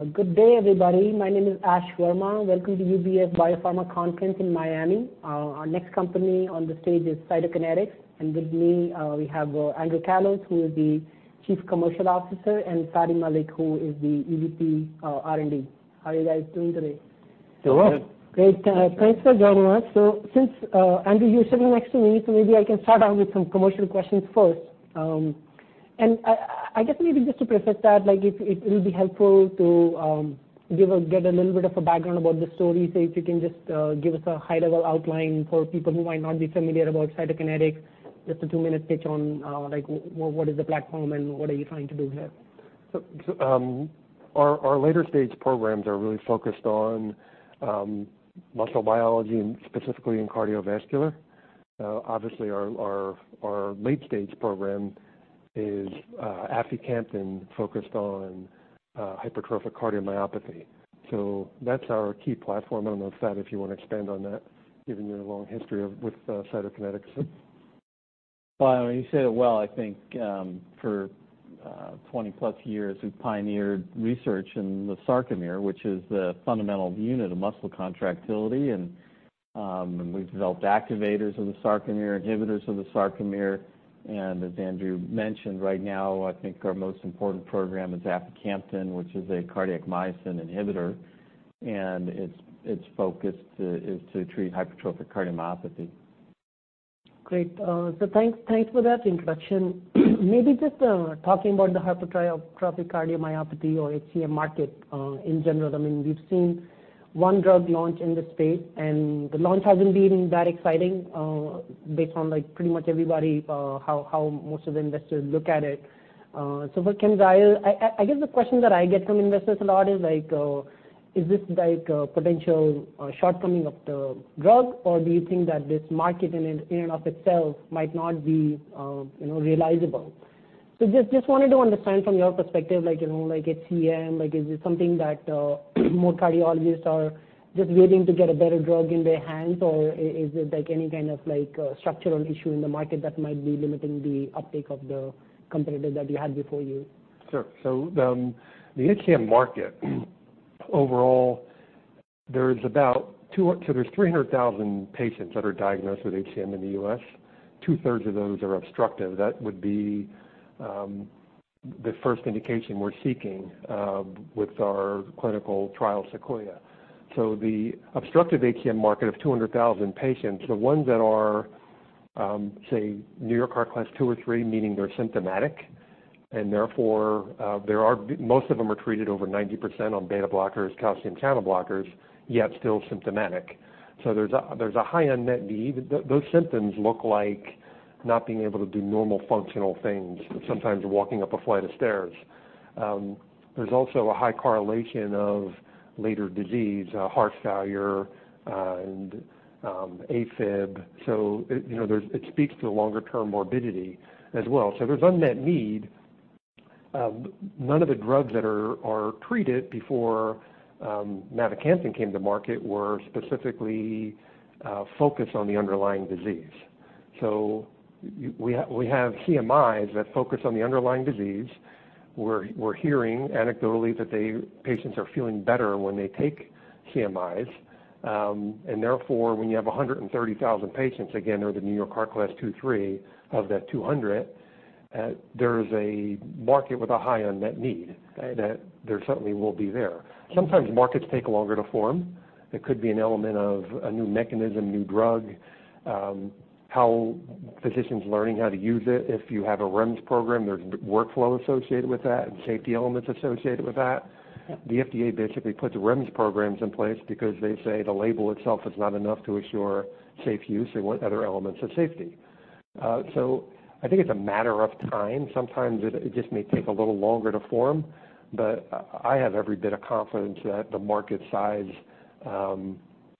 A good day, everybody. My name is Ash Verma. Welcome to UBS Biopharma Conference in Miami. Our next company on the stage is Cytokinetics, and with me, we have, Andrew Callos, who is the Chief Commercial Officer, and Fady Malik, who is the EVP of R&D. How are you guys doing today? Doing well. Good. Great. Thanks for joining us. So since Andrew, you're sitting next to me, so maybe I can start out with some commercial questions first. And I, I guess maybe just to preface that, like, if it will be helpful to give or get a little bit of a background about the story. So if you can just give us a high-level outline for people who might not be familiar about Cytokinetics, just a two-minute pitch on, like, what, what is the platform, and what are you trying to do here? So, our later stage programs are really focused on muscle biology and specifically in cardiovascular. Obviously, our late stage program is aficamten focused on hypertrophic cardiomyopathy. So that's our key platform. I don't know if, Fady, you want to expand on that, given your long history with Cytokinetics. Well, you said it well. I think, for 20+ years, we've pioneered research in the sarcomere, which is the fundamental unit of muscle contractility, and we've developed activators of the sarcomere, inhibitors of the sarcomere. As Andrew mentioned, right now, I think our most important program is aficamten, which is a cardiac myosin inhibitor, and its focus is to treat hypertrophic cardiomyopathy. Great. So thanks, thanks for that introduction. Maybe just, talking about the hypertrophic cardiomyopathy or HCM market, in general, I mean, we've seen one drug launch in the space, and the launch hasn't been that exciting, based on, like, pretty much everybody, how most of the investors look at it. So but Camzyos... I guess the question that I get from investors a lot is, like, is this, like, a potential, shortcoming of the drug, or do you think that this market in and, in and of itself might not be, you know, realizable? So just, just wanted to understand from your perspective, like, you know, like HCM, like, is this something that more cardiologists are just waiting to get a better drug in their hands, or is it, like, any kind of, like, structural issue in the market that might be limiting the uptake of the competitor that you had before you? Sure. So, the HCM market, overall, there's 300,000 patients that are diagnosed with HCM in the U.S. Two-thirds of those are obstructive. That would be the first indication we're seeking with our clinical trial, SEQUOIA. So the obstructive HCM market of 200,000 patients, the ones that are, say, New York Heart class 2 or 3, meaning they're symptomatic, and therefore, most of them are treated over 90% on beta blockers, calcium channel blockers, yet still symptomatic. So there's a high unmet need. Those symptoms look like not being able to do normal functional things, sometimes walking up a flight of stairs. There's also a high correlation of later disease, heart failure, and AFib. So it, you know, it speaks to longer-term morbidity as well. So there's unmet need. None of the drugs that are treated before mavacamten came to market were specifically focused on the underlying disease. So we have CMIs that focus on the underlying disease. We're hearing anecdotally that patients are feeling better when they take CMIs. And therefore, when you have 130,000 patients, again, they're the New York Heart Association class 2, 3, of that 200,000, there's a market with a high unmet need that there certainly will be there. Sometimes markets take longer to form. There could be an element of a new mechanism, new drug, how physicians learning how to use it. If you have a REMS program, there's workflow associated with that and safety elements associated with that. Yeah. The FDA basically puts REMS programs in place because they say the label itself is not enough to ensure safe use. They want other elements of safety. So I think it's a matter of time. Sometimes it just may take a little longer to form, but I have every bit of confidence that the market size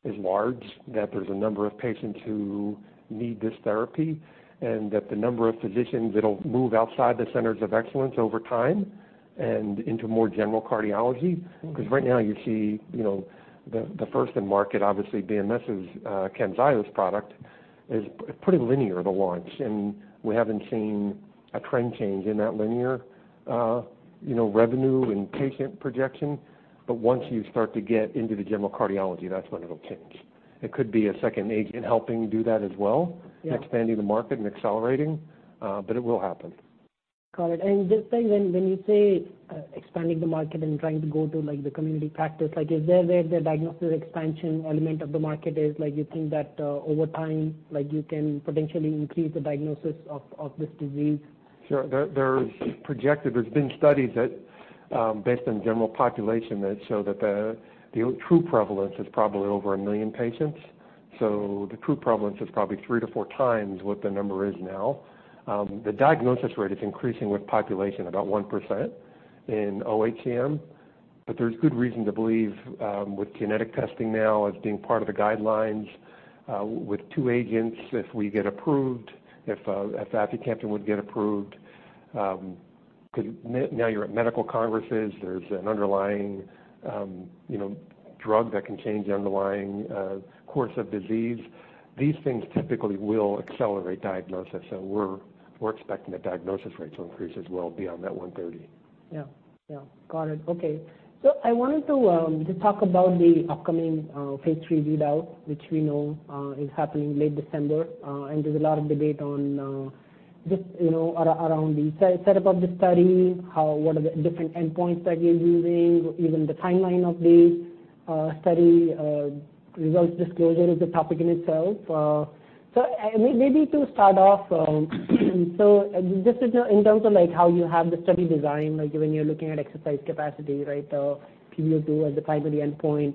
is large, that there's a number of patients who need this therapy, and that the number of physicians that'll move outside the centers of excellence over time and into more general cardiology. Mm-hmm. Because right now you see, you know, the first in market, obviously being this is Camzyos' product, is pretty linear, the launch, and we haven't seen a trend change in that linear, you know, revenue and patient projection. But once you start to get into the general cardiology, that's when it'll change. It could be a second agent helping do that as well- Yeah... expanding the market and accelerating, but it will happen. Got it. And just like when you say, expanding the market and trying to go to, like, the community practice, like, is there where the diagnostic expansion element of the market is? Like, you think that, over time, like, you can potentially increase the diagnosis of this disease? Sure. There's been studies that, based on general population, that show that the true prevalence is probably over a million patients. So the true prevalence is probably three to four times what the number is now. The diagnosis rate is increasing with population, about 1% in OHCM, but there's good reason to believe, with genetic testing now as being part of the guidelines, with two agents, if we get approved, if, if aficamten would get approved,... 'cause now you're at medical congresses, there's an underlying, you know, drug that can change the underlying course of disease. These things typically will accelerate diagnosis, so we're expecting the diagnosis rate to increase as well beyond that 130. Yeah, yeah. Got it, okay. So I wanted to just talk about the upcoming phase III readout, which we know is happening late December. And there's a lot of debate on just, you know, around the setup of the study, how what are the different endpoints that you're using, even the timeline of the study results disclosure is a topic in itself. So maybe to start off, so just in terms of, like, how you have the study design, like when you're looking at exercise capacity, right? Peak VO2 as the primary endpoint.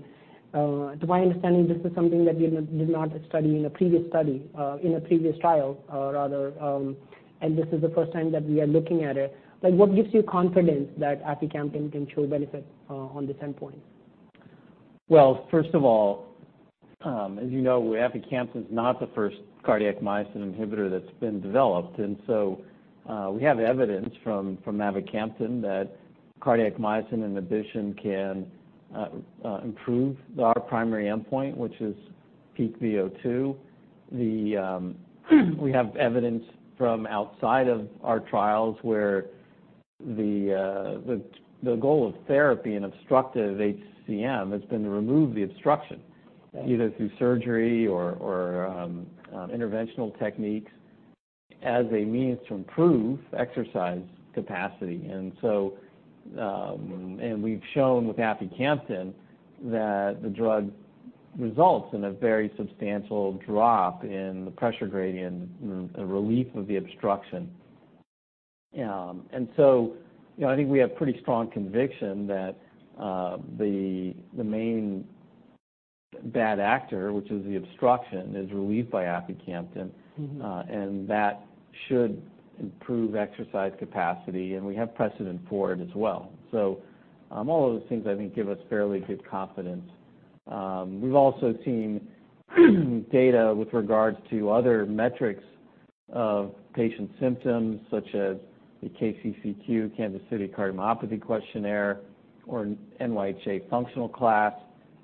To my understanding, this is something that you did not study in a previous study in a previous trial rather, and this is the first time that we are looking at it. Like, what gives you confidence that aficamten can show benefit on this endpoint? Well, first of all, as you know, aficamten is not the first cardiac myosin inhibitor that's been developed. And so, we have evidence from mavacamten that cardiac myosin inhibition can improve our primary endpoint, which is peak VO2. We have evidence from outside of our trials where the goal of therapy in obstructive HCM has been to remove the obstruction- Right... either through surgery or interventional techniques as a means to improve exercise capacity. And so, and we've shown with aficamten that the drug results in a very substantial drop in the pressure gradient and a relief of the obstruction. And so, you know, I think we have pretty strong conviction that the main bad actor, which is the obstruction, is relieved by aficamten. Mm-hmm. And that should improve exercise capacity, and we have precedent for it as well. So, all of those things I think give us fairly good confidence. We've also seen data with regards to other metrics of patient symptoms, such as the KCCQ, Kansas City Cardiomyopathy Questionnaire, or NYHA functional class,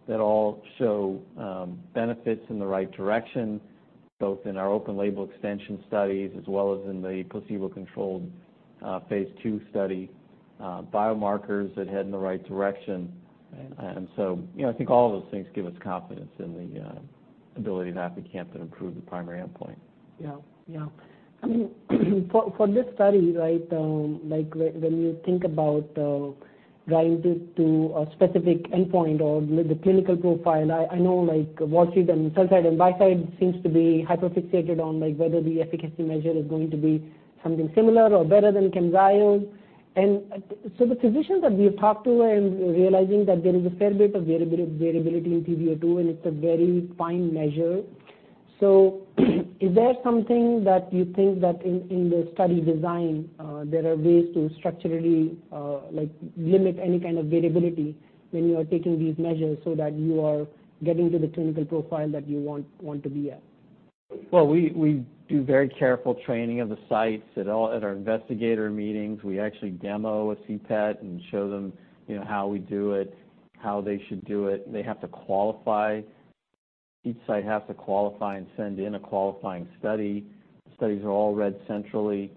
that all show benefits in the right direction, both in our open label extension studies as well as in the placebo-controlled, phase two study. Biomarkers that head in the right direction. Right. And so, you know, I think all of those things give us confidence in the ability of aficamten to improve the primary endpoint. Yeah, yeah. For this study, right, like, when you think about driving it to a specific endpoint or the clinical profile, I know, like, Wall Street and sell side and buy side seems to be hyper-fixated on, like, whether the efficacy measure is going to be something similar or better than Camzyos. And so the physicians that we have talked to are realizing that there is a fair bit of variability in peak VO2, and it's a very fine measure. So is there something that you think that in the study design there are ways to structurally, like, limit any kind of variability when you are taking these measures so that you are getting to the clinical profile that you want to be at? Well, we do very careful training of the sites. At our investigator meetings, we actually demo a CPET and show them, you know, how we do it, how they should do it. They have to qualify. Each site has to qualify and send in a qualifying study. The studies are all read centrally.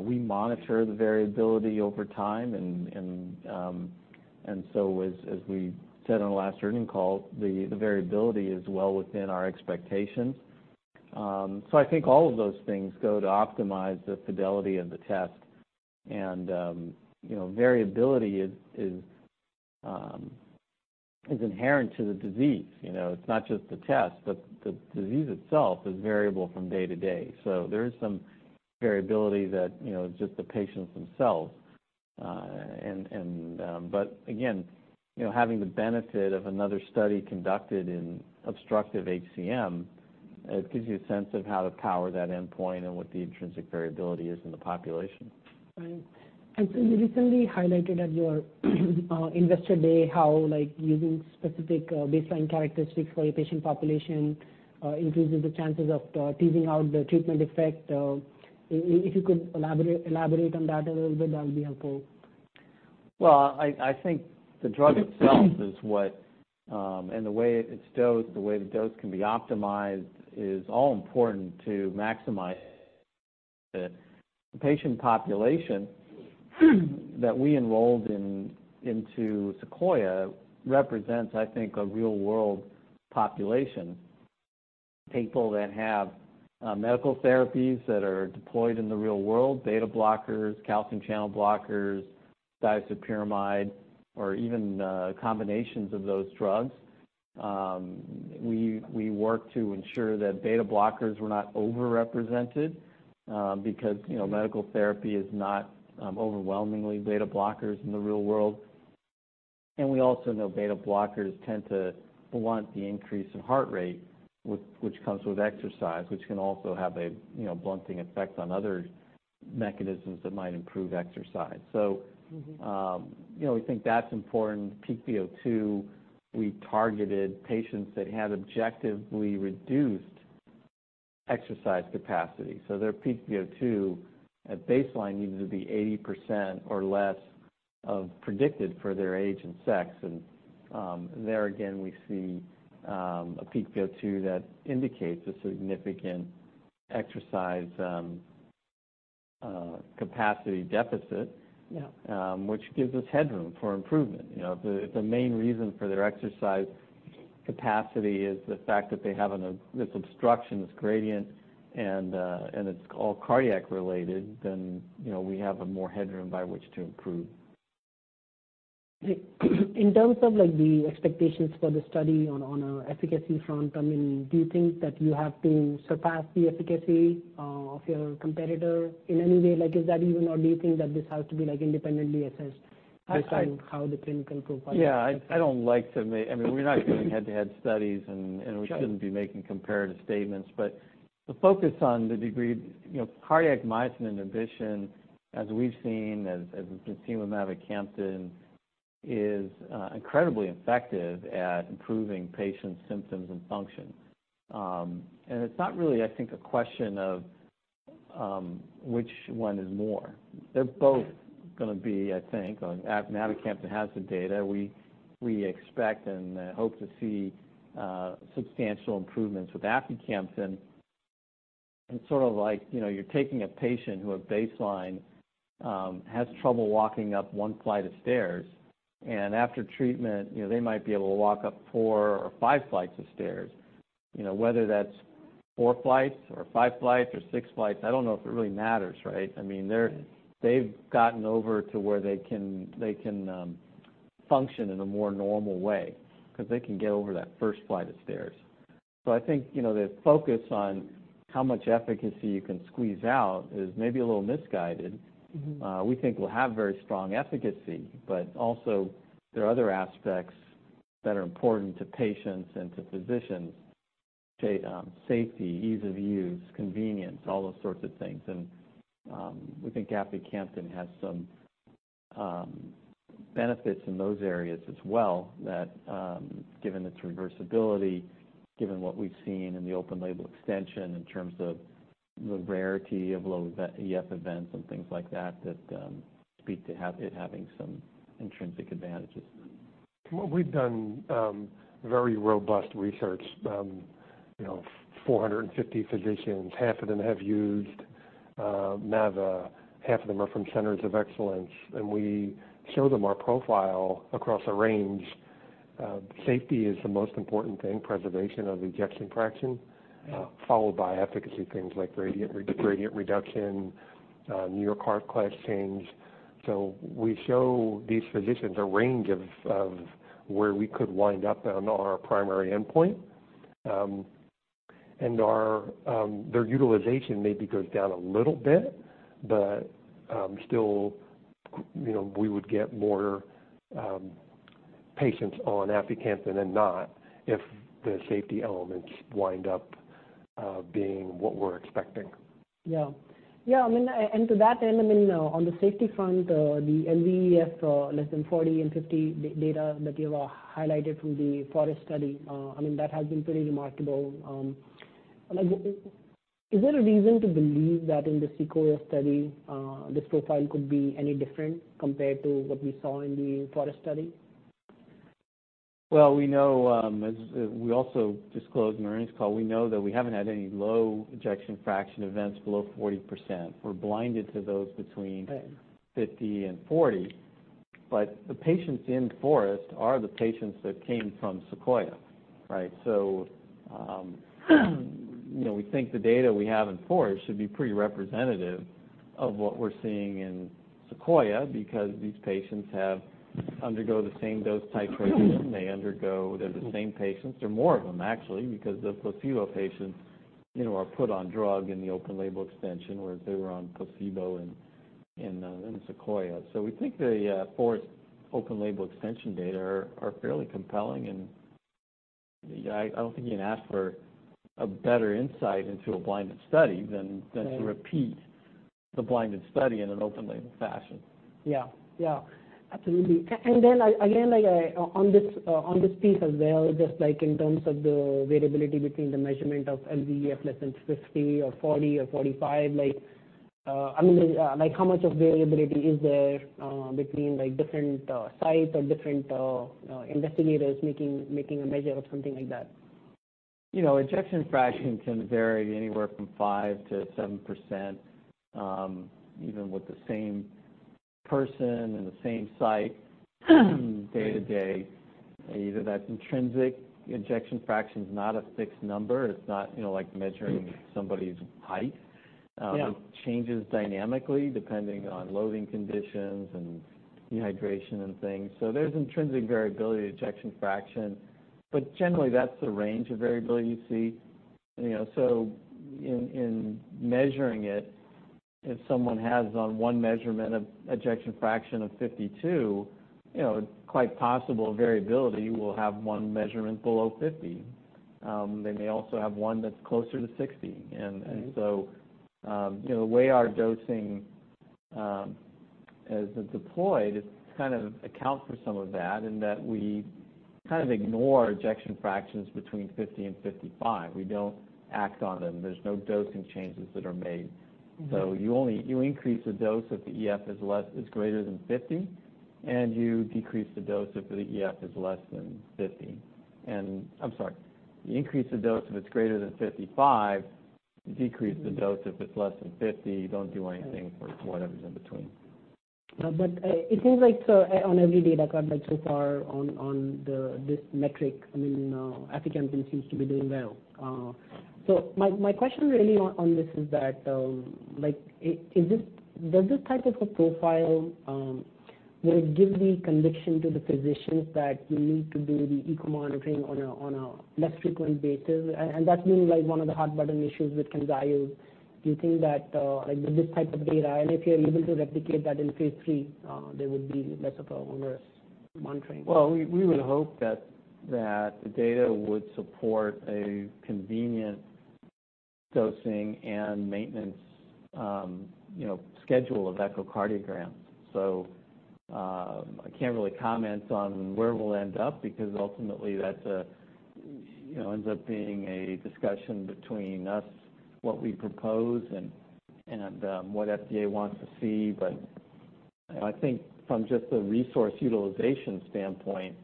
We monitor the variability over time, and so as we said on the last earnings call, the variability is well within our expectations. So I think all of those things go to optimize the fidelity of the test. And you know, variability is inherent to the disease. You know, it's not just the test, but the disease itself is variable from day to day. So there is some variability that, you know, just the patients themselves. But again, you know, having the benefit of another study conducted in obstructive HCM, it gives you a sense of how to power that endpoint and what the intrinsic variability is in the population. Right. So you recently highlighted at your investor day how, like, using specific baseline characteristics for your patient population increases the chances of teasing out the treatment effect. If you could elaborate on that a little bit, that would be helpful. Well, I think the drug itself is what and the way it's dosed, the way the dose can be optimized, is all important to maximize the patient population that we enrolled into Sequoia represents, I think, a real-world population. People that have medical therapies that are deployed in the real world, beta blockers, calcium channel blockers, digoxin, verapamil, or even combinations of those drugs. We work to ensure that beta blockers were not overrepresented because, you know, medical therapy is not overwhelmingly beta blockers in the real world. And we also know beta blockers tend to blunt the increase in heart rate with which comes with exercise, which can also have a, you know, blunting effect on other mechanisms that might improve exercise. So- Mm-hmm. You know, we think that's important. Peak VO2, we targeted patients that had objectively reduced exercise capacity. So their peak VO2 at baseline needs to be 80% or less of predicted for their age and sex. And, there again, we see a peak VO2 that indicates a significant exercise capacity deficit- Yeah. which gives us headroom for improvement. You know, the main reason for their exercise capacity is the fact that they have this obstruction, this gradient, and it's all cardiac related, then, you know, we have a more headroom by which to improve. In terms of, like, the expectations for the study on efficacy front, I mean, do you think that you have to surpass the efficacy of your competitor in any way? Like, is that even, or do you think that this has to be, like, independently assessed- I think- based on how the clinical profile? Yeah, I don't like to make... I mean, we're not doing head-to-head studies, and, and- Sure. We shouldn't be making comparative statements. But the focus on the degree, you know, cardiac myosin inhibition, as we've seen with mavacamten, is incredibly effective at improving patients' symptoms and function. And it's not really, I think, a question of which one is more. They're both gonna be, I think, on... Mavacamten has the data. We expect and hope to see substantial improvements with aficamten. It's sort of like, you know, you're taking a patient who, at baseline, has trouble walking up one flight of stairs, and after treatment, you know, they might be able to walk up four or five flights of stairs. You know, whether that's four flights or five flights or six flights, I don't know if it really matters, right? I mean, they've gotten over to where they can, they can, function in a more normal way because they can get over that first flight of stairs. So I think, you know, the focus on how much efficacy you can squeeze out is maybe a little misguided. Mm-hmm. We think we'll have very strong efficacy, but also there are other aspects that are important to patients and to physicians, safety, ease of use, convenience, all those sorts of things. And we think aficamten has some benefits in those areas as well, that given its reversibility, given what we've seen in the open label extension in terms of the rarity of low EF events and things like that, that speak to it having some intrinsic advantages. Well, we've done very robust research. You know, 450 physicians, half of them have used mavacamten, half of them are from centers of excellence, and we show them our profile across a range. Safety is the most important thing, preservation of ejection fraction- Yeah. followed by efficacy, things like gradient reduction, New York Heart class change. So we show these physicians a range of where we could wind up on our primary endpoint. Their utilization maybe goes down a little bit, but still, you know, we would get more patients on aficamten than not, if the safety elements wind up being what we're expecting. Yeah. Yeah, I mean, and to that end, I mean, on the safety front, the LVEF less than 40 and 50 data that you have highlighted from the FOREST study, I mean, that has been pretty remarkable. Like, is there a reason to believe that in the SEQUOIA study, this profile could be any different compared to what we saw in the FOREST study? Well, we know, we also disclosed in the earnings call, we know that we haven't had any low ejection fraction events below 40%. We're blinded to those between- Right... 50 and 40, but the patients in FOREST are the patients that came from SEQUOIA, right? So, you know, we think the data we have in FOREST should be pretty representative of what we're seeing in SEQUOIA, because these patients undergo the same dose titration. Mm-hmm. They undergo... They're the same patients. They're more of them, actually, because the placebo patients, you know, are put on drug in the open label extension, where they were on placebo in SEQUOIA. So we think the FOREST open label extension data are fairly compelling, and I don't think you can ask for a better insight into a blinded study than, than- Right to repeat the blinded study in an open label fashion. Yeah. Yeah, absolutely. And then, like, again, like, on this piece as well, just like in terms of the variability between the measurement of LVEF, less than 50 or 40 or 45, like, I mean, like how much of variability is there, between, like, different sites or different investigators making a measure of something like that? You know, ejection fraction can vary anywhere from 5%-7%, even with the same person and the same site, day to day. Either that's intrinsic. Ejection fraction is not a fixed number. It's not, you know, like measuring somebody's height. Yeah. It changes dynamically, depending on loading conditions and dehydration and things. So there's intrinsic variability in ejection fraction, but generally, that's the range of variability you see. You know, so in measuring it, if someone has on one measurement of ejection fraction of 52, you know, it's quite possible variability will have one measurement below 50. They may also have one that's closer to 60. Mm-hmm. So, you know, the way our dosing as it's deployed, it kind of accounts for some of that, in that we kind of ignore ejection fractions between 50 and 55. We don't act on them. There's no dosing changes that are made. So you only increase the dose if the EF is greater than 50, and you decrease the dose if the EF is less than 50. And I'm sorry, you increase the dose if it's greater than 55, you decrease the dose if it's less than 50. You don't do anything for whatever's in between. But it seems like so, on every data card, like, so far on this metric, I mean, aficamten seems to be doing well. So my question really on this is that, like, is this, does this type of a profile will it give the conviction to the physicians that you need to do the echo monitoring on a less frequent basis? And that's been, like, one of the hot button issues with Camzyos. Do you think that, like, with this type of data, and if you're able to replicate that in phase III, there would be less of an onerous monitoring? Well, we would hope that the data would support a convenient dosing and maintenance, you know, schedule of echocardiograms. So, I can't really comment on where we'll end up, because ultimately that, you know, ends up being a discussion between us, what we propose, and what FDA wants to see. But I think from just the resource utilization standpoint,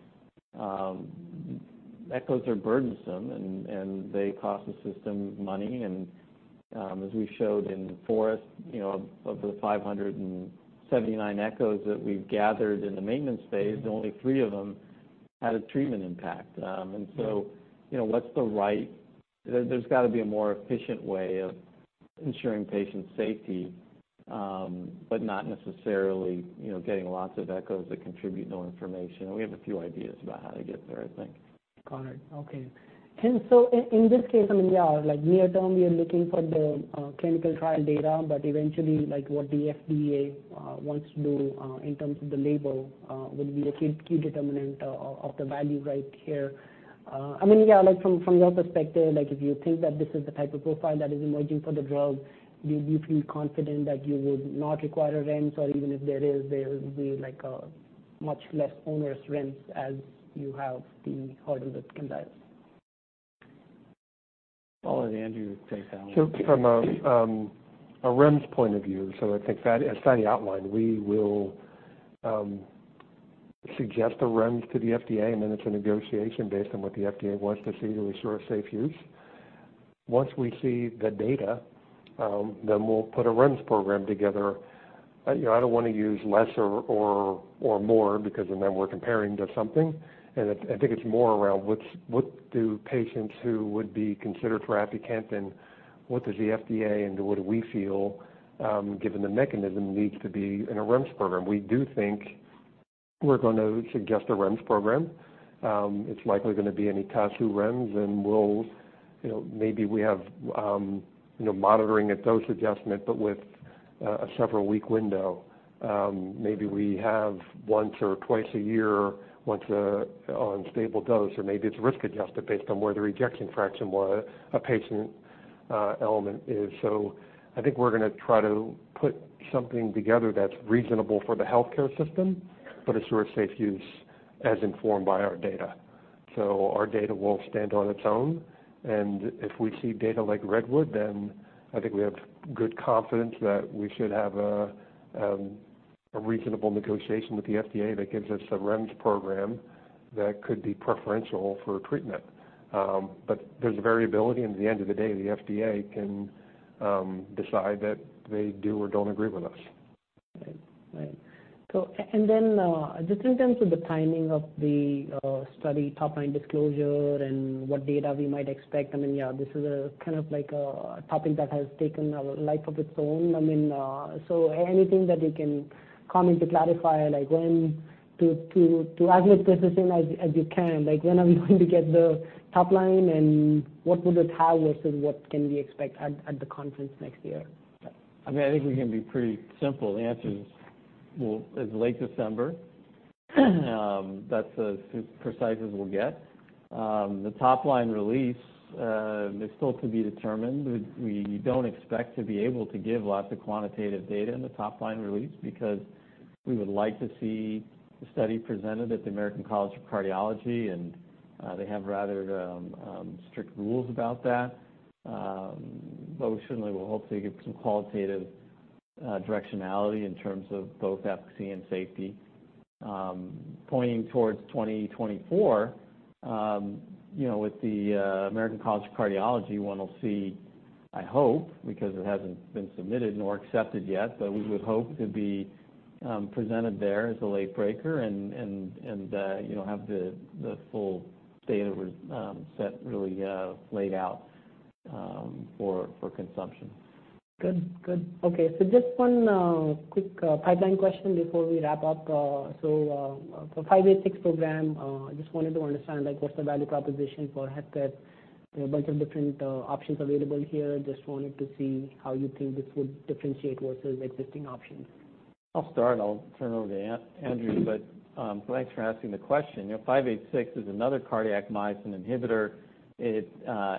echoes are burdensome and they cost the system money. And, as we showed in the FOREST, you know, of the 579 echoes that we've gathered in the maintenance phase, only 3 of them had a treatment impact. And so, you know, what's the right... There's got to be a more efficient way of ensuring patient safety, but not necessarily, you know, getting lots of echoes that contribute no information. We have a few ideas about how to get there, I think. Got it. Okay. And so in this case, I mean, yeah, like, we are done, we are looking for the clinical trial data, but eventually, like, what the FDA wants to do in terms of the label will be the key determinant of the value right here. I mean, yeah, like from your perspective, like, if you think that this is the type of profile that is emerging for the drug, do you feel confident that you would not require a REMS? Or even if there is, there will be like a much less onerous REMS as with the Camzyos. I'll let Andrew say that. So from a REMS point of view, I think that as Fady outlined, we will suggest a REMS to the FDA, and then it's a negotiation based on what the FDA wants to see to ensure safe use. Once we see the data, then we'll put a REMS program together. You know, I don't want to use less or more, because then we're comparing to something, and I think it's more around what do patients who would be considered for aficamten, and what does the FDA and what do we feel, given the mechanism, needs to be in a REMS program. We do think we're going to suggest a REMS program. It's likely gonna be an ETASU REMS, and we'll, you know, maybe we have, you know, monitoring a dose adjustment, but with a several-week window. Maybe we have once or twice a year, on stable dose, or maybe it's risk-adjusted based on where the ejection fraction or a patient element is. So I think we're gonna try to put something together that's reasonable for the healthcare system, but assure safe use as informed by our data. So our data will stand on its own, and if we see data like REDWOOD, then I think we have good confidence that we should have a reasonable negotiation with the FDA that gives us a REMS program that could be preferential for treatment. But there's a variability, and at the end of the day, the FDA can decide that they do or don't agree with us. Right. Right. So and then, just in terms of the timing of the study, top-line disclosure and what data we might expect, I mean, yeah, this is kind of like a topic that has taken a life of its own. I mean, so anything that you can comment to clarify, like, when to as much as the same as you can, like, when are we going to get the top line, and what would the timeline say, what can we expect at the conference next year? I mean, I think we can be pretty simple. The answer is, well, it's late December. That's as precise as we'll get. The top-line release is still to be determined. We don't expect to be able to give lots of quantitative data in the top-line release because we would like to see the study presented at the American College of Cardiology, and they have rather strict rules about that. But we certainly will hopefully give some qualitative directionality in terms of both efficacy and safety. Pointing towards 2024, you know, with the American College of Cardiology, one will see, I hope, because it hasn't been submitted nor accepted yet, but we would hope to be presented there as a late breaker and, you know, have the full data set really laid out for consumption. Good. Good. Okay. So just one, quick, pipeline question before we wrap up. So, for CK-586 program, I just wanted to understand, like, what's the value proposition for HFpEF? There are a bunch of different, options available here. Just wanted to see how you think this would differentiate versus existing options. I'll start. I'll turn it over to Andrew. But thanks for asking the question. You know, CK-586 is another cardiac myosin inhibitor. It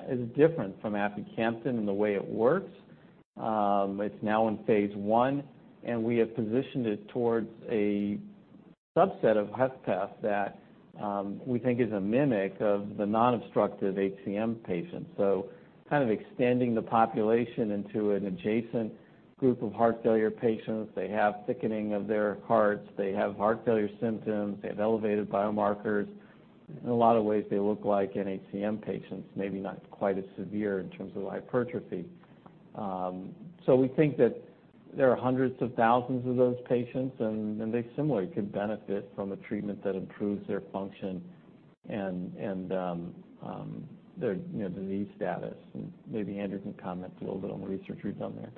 is different from aficamten in the way it works. It's now in phase I, and we have positioned it towards a subset of HFpEF that we think is a mimic of the non-obstructive HCM patient. So kind of extending the population into an adjacent group of heart failure patients. They have thickening of their hearts. They have heart failure symptoms. They have elevated biomarkers. In a lot of ways, they look like NHCM patients, maybe not quite as severe in terms of hypertrophy. So we think that there are hundreds of thousands of those patients, and they similarly could benefit from a treatment that improves their function and their, you know, disease status. Maybe Andrew can comment a little bit on the research we've done there.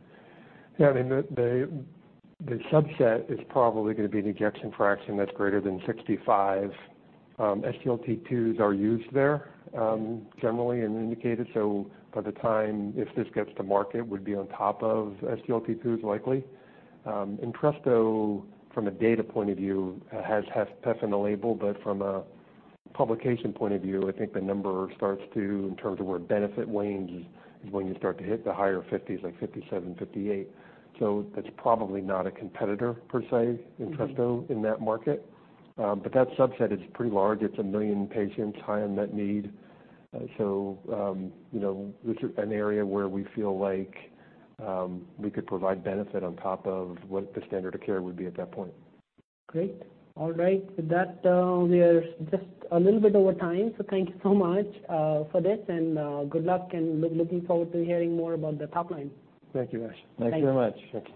Yeah, I mean, the subset is probably gonna be an ejection fraction that's greater than 65. SGLT2s are used there, generally and indicated, so by the time, if this gets to market, would be on top of SGLT2s, likely. Entresto, from a data point of view, has HFpEF in the label, but from a publication point of view, I think the number starts to, in terms of where benefit wanes, is when you start to hit the higher 50s, like 57, 58. So that's probably not a competitor, per se, Entresto, in that market. But that subset is pretty large. It's a million patients, high unmet need. So, you know, this is an area where we feel like, we could provide benefit on top of what the standard of care would be at that point. Great. All right. With that, we are just a little bit over time, so thank you so much for this, and good luck, and looking forward to hearing more about the top line. Thank you, Ash. Thank you very much. Okay.